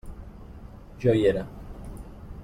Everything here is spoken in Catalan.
Jo hi era.